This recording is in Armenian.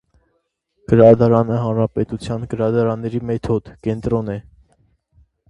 Գրադարանը հանրապետության գրադարանների մեթոդ, կենտրոնն է։